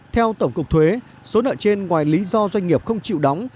theo tổng cục thuế số nợ trên ngoài lý do doanh nghiệp không chịu đóng